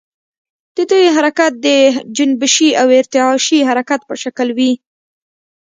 د دوی حرکت د جنبشي او ارتعاشي حرکت په شکل وي.